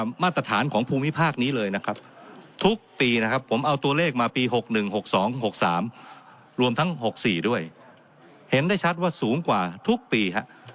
มาตรฐานของภูมิภาคนี้เลยนะครับทุกปีนะครับผมเอาตัวเลขมาปี๖๑๖๒๖๓รวมทั้ง๖๔ด้วยเห็นได้ชัดว่าสูงกว่าทุกปีฮะ